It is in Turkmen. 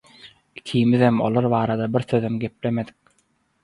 Ikimizem olar barada bir sözem geplemedik.